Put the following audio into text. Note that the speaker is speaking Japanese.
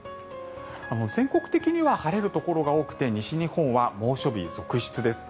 全国的には晴れるところが多くて西日本は猛暑日続出です。